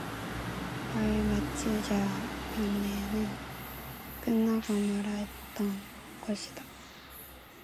말을 마치자 면회는 끝나고 말았던 것이다.